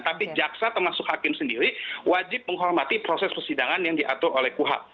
tapi jaksa termasuk hakim sendiri wajib menghormati proses persidangan yang diatur oleh kuhap